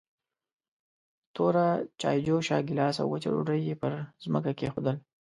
توره چايجوشه، ګيلاس او وچه ډوډۍ يې پر ځمکه کېښودل.